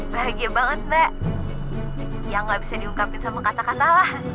bahagia banget mbak ya nggak bisa diungkapin sama kata katalah